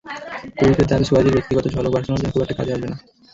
ক্রুইফের দাবি, সুয়ারেজের ব্যক্তিগত ঝলক বার্সেলোনার জন্য খুব একটা কাজে আসবে না।